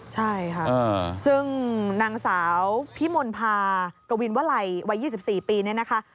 ใช่ครับซึ่งนางสาวพิมพาด์กวีนวะไลวัย๒๔ปีเนี่ยนะคะ